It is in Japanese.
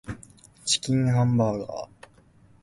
チキンハンバーガー